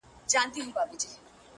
په دې نن د وطن ماځيگرى ورځيني هېر سو.!